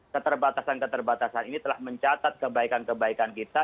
keterbatasan keterbatasan ini telah mencatat kebaikan kebaikan kita